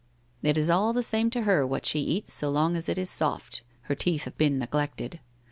It is all the same to her what she eats so long as it is soft — her teeth have been neglected.